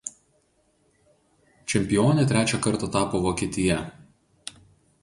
Čempione trečią kartą tapo Vokietija.